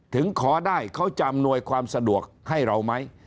ถึงขอได้เขาจะอำนวยความสะดวกให้เราไหม